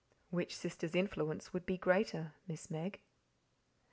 Which sister's influence would be greater, Miss Meg?"